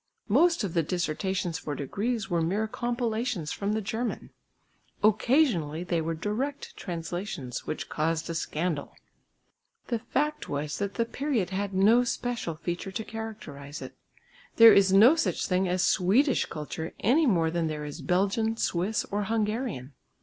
Most of the dissertations for degrees were mere compilations from the German; occasionally they were direct translations which caused a scandal. The fact was that the period had no special feature to characterise it. There is no such thing as Swedish culture any more than there is Belgian, Swiss, or Hungarian.